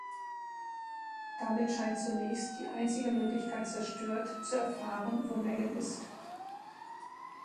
Damit scheint zunächst die einzige Möglichkeit zerstört, zu erfahren, wo Megan ist.